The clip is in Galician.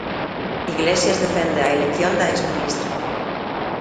Iglesias defende a elección da exministra.